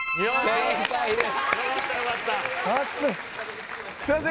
正解です。